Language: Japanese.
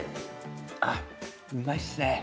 あっうまいっすね。